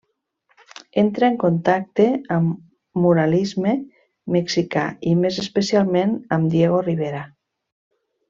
Entra en contacte amb muralisme mexicà i més especialment amb Diego Rivera.